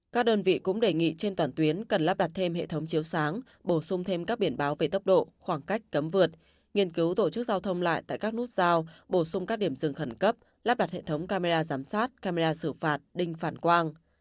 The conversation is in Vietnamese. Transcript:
các đơn vị cũng đề nghị trên toàn tuyến cần lắp đặt thêm hệ thống chiếu sáng bổ sung thêm các biển báo về tốc độ khoảng cách cấm vượt nghiên cứu tổ chức giao thông lại tại các nút giao bổ sung các điểm dừng khẩn cấp lắp đặt hệ thống camera giám sát camera xử phạt đinh phản quang